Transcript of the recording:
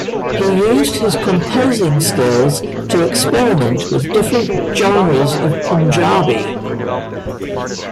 He used his composing skills to experiment with different genres of Punjabi.